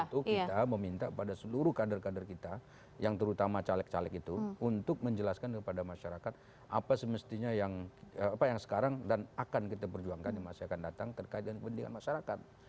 kita harus mengulang cerita seperti itu kepada seluruh kader kader kita yang terutama caleg caleg itu untuk menjelaskan kepada masyarakat apa semestinya yang sekarang dan akan kita perjuangkan yang masih akan datang terkait dengan kepentingan masyarakat